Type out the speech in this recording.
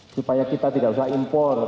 supaya kita tidak usah impor